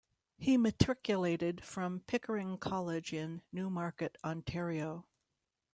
He matriculated from Pickering College in Newmarket, Ontario.